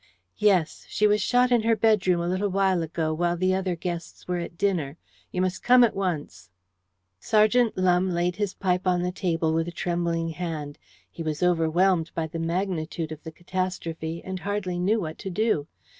"Yes. She was shot in her bedroom a little while ago while the other guests were at dinner. You must come at once." Sergeant Lumbe laid his pipe on the table with a trembling hand. He was overwhelmed by the magnitude of the catastrophe, and hardly knew what to do.